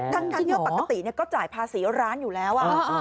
ทั้งที่ว่าปกติก็จ่ายภาษีร้านอยู่แล้ว